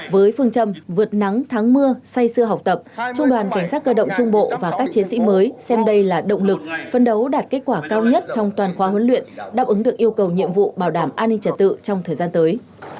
với phương châm vượt nắng thắng mưa say sư học tập trung đoàn cảnh sát cơ động trung bộ và các chiến sĩ mới xem đây là động lực phân đấu đạt kết quả cao nhất trong toàn khóa huấn luyện đáp ứng được yêu cầu nhiệm vụ bảo đảm an ninh trật tự trong thời gian tới